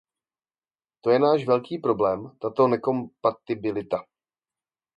To je náš velký problém, tato nekompatibilita.